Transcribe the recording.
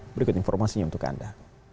berikut informasinya untuk anda